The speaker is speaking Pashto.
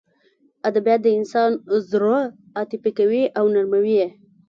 ادبیات د انسان زړه عاطفي کوي او نرموي یې